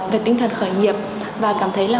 về tinh thần khởi nghiệp và cảm thấy là